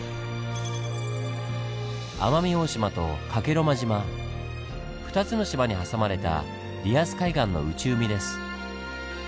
奄美大島と加計呂麻島２つの島に挟まれたリアス海岸の内海です。